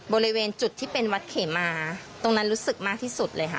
บริเวณจุดที่เป็นวัดเขมาตรงนั้นรู้สึกมากที่สุดเลยค่ะ